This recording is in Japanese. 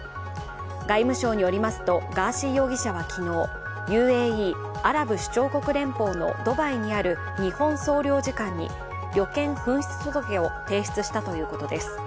外務省によりますと、ガーシー容疑者は昨日、ＵＡＥ＝アラブ首長国連邦のドバイにある日本総領事館に旅券紛失届を提出したということです。